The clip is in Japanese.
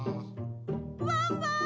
・ワンワーン！